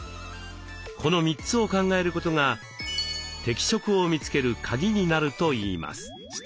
この３つを考えることが「適職」を見つけるカギになるといいます。